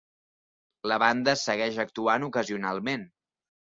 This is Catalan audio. La banda segueix actuant ocasionalment.